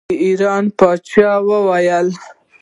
د ایران پاچا وویل.